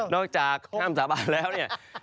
จากคำสาบานแล้วเนี่ย